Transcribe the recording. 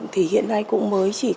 thì hiện nay cũng mới chiếm